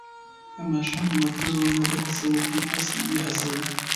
که ماشوم تمرکز ونلري، هڅه وکړئ یې هڅوئ.